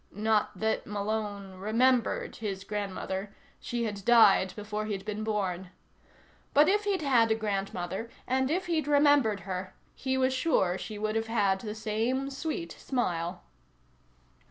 Not that Malone remembered his grandmother; she had died before he'd been born. But if he'd had a grandmother, and if he'd remembered her, he was sure she would have had the same sweet smile.